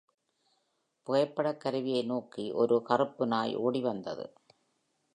புகைப்படக்கருவியை நோக்கி ஒரு கறுப்பு நாய் ஓடி வந்தது.